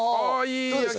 どうですか？